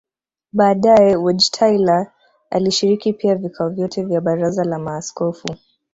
Baadae Wojtyla alishiriki pia vikao vyote vya baraza la maaskofu